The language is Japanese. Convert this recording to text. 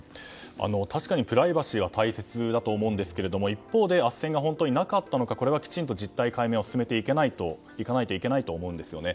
確かにプライバシーは大切だと思うんですが一方であっせんが本当になかったのか実態解明を進めていかないといけないと思うんですよね。